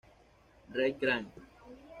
Rae Grant